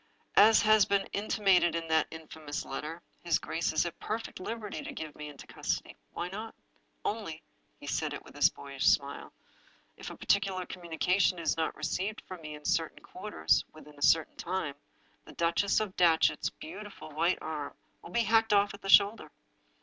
" As has been intimated in that infamous letter, his grace is at perfect liberty to give me into custody — ^why not? Only "— he said it with his boyish smile —" if a particular communication is not received from me in certain quarters within a certain time the Duchess of Datchet's beautiful white arm will be hacked off at the shoulder."